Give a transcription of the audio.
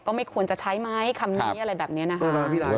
ไม่ควรจะใช้ไหมคำนี้อะไรแบบนี้นะคะ